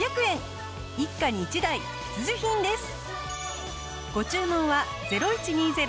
一家に一台必需品です。